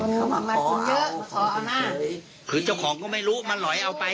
มาขอเอามาขอเอาหน้าคือเจ้าของก็ไม่รู้มาหลอยเอาไป